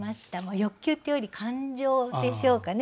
欲求というより感情でしょうかね